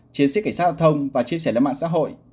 chiến sĩ cảnh sát giao thông và chia sẻ lên mạng xã hội